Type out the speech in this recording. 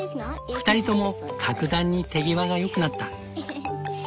２人とも格段に手際がよくなった。